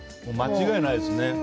間違いないですね。